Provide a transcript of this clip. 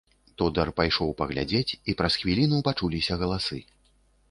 Тодар пайшоў паглядзець, і праз хвіліну пачуліся галасы.